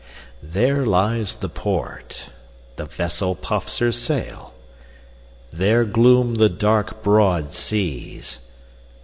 There lies the port; the vessel puffs her sail: There gloom the dark, broad seas.